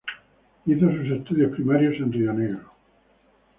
Hizo sus estudios primarios en Rionegro.